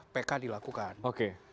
pk dilakukan oke